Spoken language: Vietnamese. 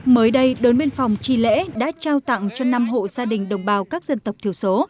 mới đây đồn biên phòng tri lễ đã trao tặng cho năm hộ gia đình đồng bào các dân tộc thiểu số